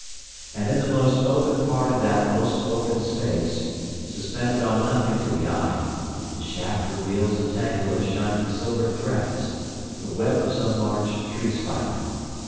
And in the most open part of that most open space, suspended on nothing to the eye, the shaft reveals a tangle of shining silver threads the web of some large tree spider.